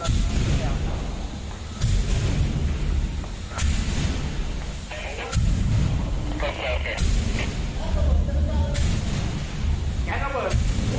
แก๊สระเบิด